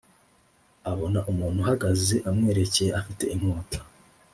Abona umuntu uhagaze amwerekeye afite inkota